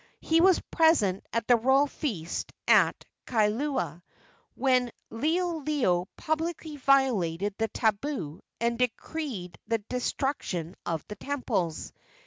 He was present at the royal feast at Kailua when Liholiho publicly violated the tabu and decreed the destruction of the temples.